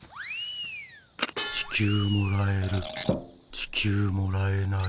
地球もらえる地球もらえない。